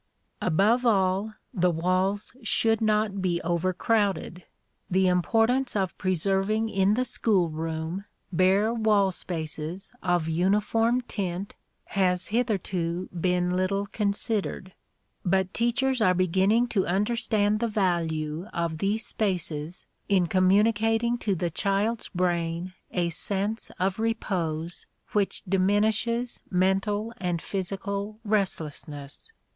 Above all, the walls should not be overcrowded. The importance of preserving in the school room bare wall spaces of uniform tint has hitherto been little considered; but teachers are beginning to understand the value of these spaces in communicating to the child's brain a sense of repose which diminishes mental and physical restlessness.